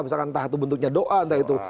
misalnya entah bentuknya doa entah itu